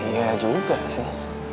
ya ya juga sih